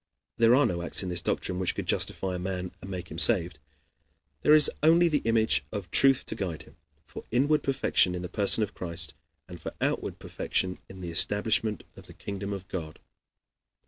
There are no acts in this doctrine which could justify a man and make him saved. There is only the image of truth to guide him, for inward perfection in the person of Christ, and for outward perfection in the establishment of the kingdom of God.